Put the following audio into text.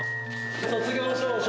卒業証書。